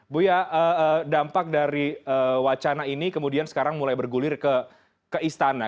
buya dampak dari wacana ini kemudian sekarang mulai bergulir ke istana